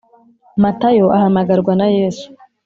Matayo ahamagarwa na Yesu